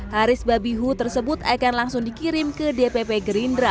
haris babihu tersebut akan langsung dikirim ke dpp gerindra